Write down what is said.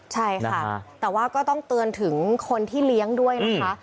ใช่ค่ะแต่ว่าก็ต้องเตือนถึงคนที่เลี้ยงด้วยนะคะ